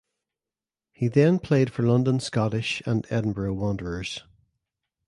He then played for London Scottish and Edinburgh Wanderers.